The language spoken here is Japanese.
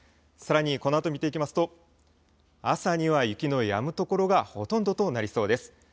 さらに、このあと見ていきますと朝には雪のやむ所がほとんどとなりそうです。